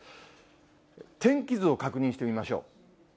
天気図を確認してみましょう。